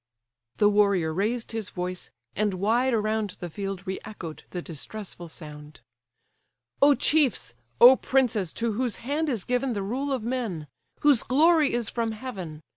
The warrior raised his voice, and wide around The field re echoed the distressful sound. "O chiefs! O princes, to whose hand is given The rule of men; whose glory is from heaven!